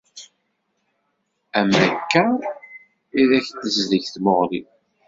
Amek akka i ak-d-tezleg tmuɣli.